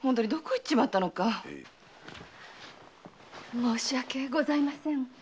申し訳ございません。